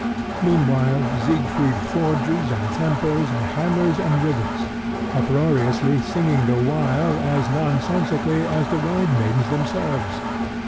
Meanwhile Siegfried forges and tempers and hammers and rivets, uproariously singing the while as nonsensically as the Rhine maidens themselves.